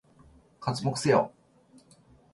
刮目せよ！